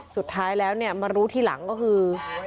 สุดท้ายแล้วเนี่ยมารู้ทีหลังก็คือ